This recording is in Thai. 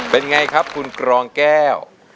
เป็นไงครับคุณกรองแก้ว